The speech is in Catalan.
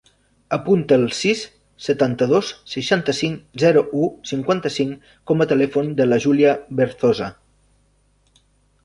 Apunta el sis, setanta-dos, seixanta-cinc, zero, u, cinquanta-cinc com a telèfon de la Júlia Berzosa.